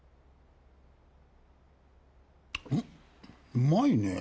うまいねぇ。